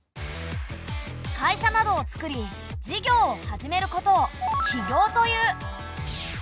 会社などをつくり事業を始めることを起業という。